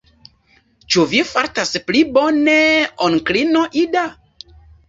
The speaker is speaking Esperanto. Ĉu vi fartas pli bone, onklino Ida?